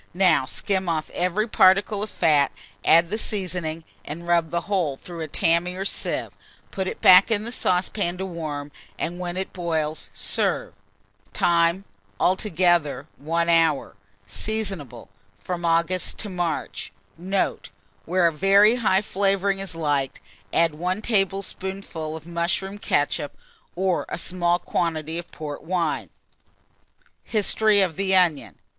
Now skim off every particle of fat, add the seasoning, and rub the whole through a tammy or sieve; put it back in the saucepan to warm, and when it boils, serve. Time. Altogether 1 hour. Seasonable from August to March. Note. Where a very high flavouring is liked, add 1 tablespoonful of mushroom ketchup, or a small quantity of port wine. HISTORY OF THE ONION.